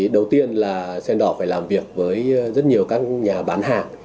đầu tiên là sendor phải làm việc với rất nhiều các nhà bán hàng